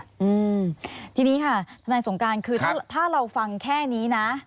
อืมทีนี้ค่ะทนายสงการคือถ้าถ้าเราฟังแค่นี้นะ